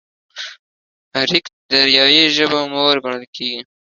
اريک د اريايي ژبو مور ګڼل کېږي.